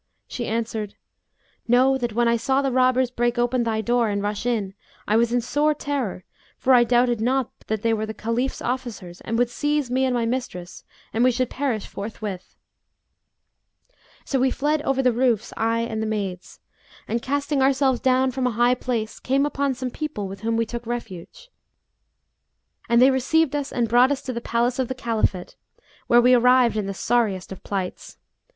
She answered, 'Know that when I saw the robbers break open thy door and rush in, I was in sore terror, for I doubted not but that they were the Caliph's officers and would seize me and my mistress and we should perish forthwith: so we fled over the roofs, I and the maids; and, casting ourselves down from a high place, came upon some people with whom we took refuge; and they received us and brought us to the palace of the Caliphate, where we arrived in the sorriest of plights.